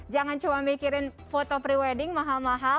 jangan cuma mikirin foto prewedding mahal mahal